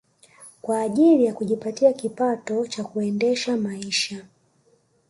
Kwa ajili ya kujipatia kipato cha kuendesha maisha